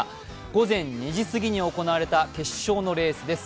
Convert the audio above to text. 午前２時過ぎに行われた決勝のレースです。